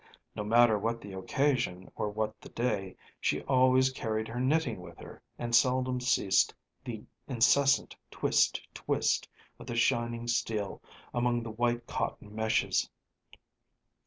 No matter what the occasion or what the day, she always carried her knitting with her, and seldom ceased the incessant twist, twist of the shining steel among the white cotton meshes.